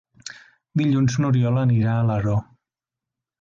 Dilluns n'Oriol anirà a Alaró.